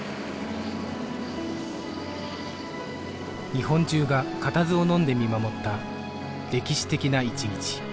日本中がかたずをのんで見守った歴史的な一日